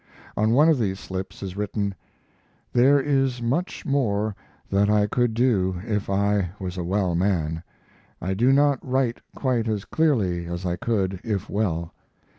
On one of these slips is written: There is much more that I could do if I was a well man. I do not write quite as clearly as I could if well.